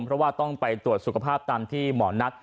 เพราะว่าต้องไปตรวจสุขภาพตามที่หมอนัด